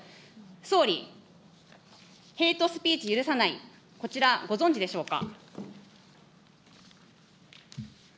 総理、ヘイトスピーチ許さない、こちら、ご存じでしょうか。